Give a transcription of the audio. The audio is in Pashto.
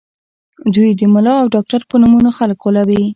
دوی د ملا او ډاکټر په نومونو خلک غولوي